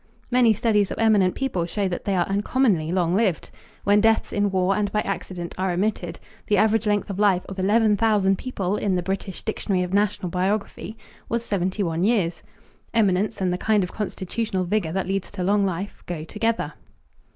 Many studies of eminent people show that they are uncommonly long lived. When deaths in war and by accident are omitted, the average length of life of 11,000 people in the British Dictionary of National Biography was 71 years. Eminence and the kind of constitutional vigor that leads to long life go together.